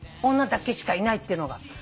女だけしかいないっていうのが。